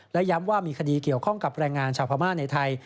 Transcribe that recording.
และย้ำว่ามีคดีเกี่ยวข้องกับแรงงานชาวพม่าในไทย